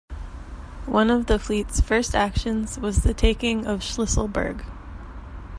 One of the fleet's first actions was the taking of Shlisselburg.